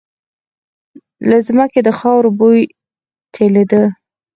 له ځمکې د خاورو بوی لټېده.